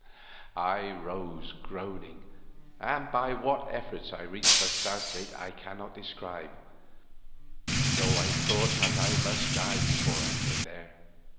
I rose groaning, and by what efforts I reached the south gate I cannot describe, though I thought that I must die before I came there.